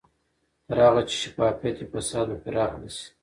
تر هغه چې شفافیت وي، فساد به پراخ نه شي.